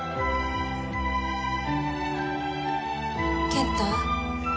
・健太？